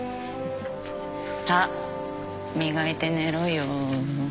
歯磨いて寝ろよ。